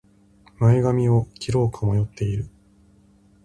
前髪を切ろうか迷っている